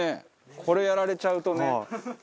これやられちゃうとね。